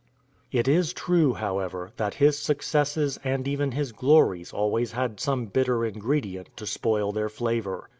It is true, however, that his successes and even his glories always had some bitter ingredient to spoil their flavor.